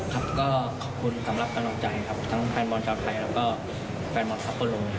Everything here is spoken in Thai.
ครับก็ขอบคุณสำหรับกำลังใจครับทั้งแฟนบอลชาวไทยแล้วก็แฟนบอลสักคนลง